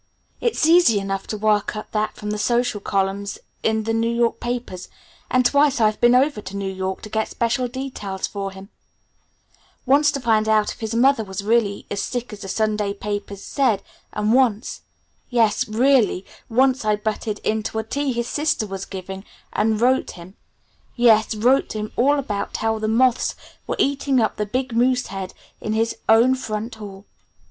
It's easy enough to work that up from the social columns in the New York papers and twice I've been over to New York to get special details for him; once to find out if his mother was really as sick as the Sunday paper said, and once yes, really, once I butted in to a tea his sister was giving, and wrote him, yes, wrote him all about how the moths were eating up the big moose head in his own front hall.